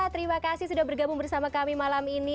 terima kasih sudah bergabung bersama kami malam ini